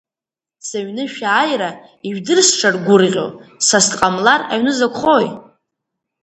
Сыҩны шәааира, ижәдыр сшаргәрӷьо, сас дҟамлар аҩны закәхои?